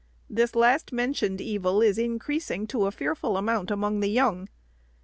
This last mentioned evil is increasing to a fearful amount among the young.